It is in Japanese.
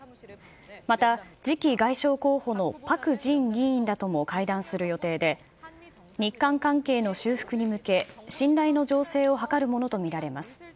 また、次期外相候補のパク・ジン議員らとも会談する予定で、日韓関係の修復に向け、信頼の醸成を図るものと見られます。